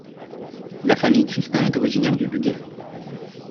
La famille Christin est originaire du Bugey.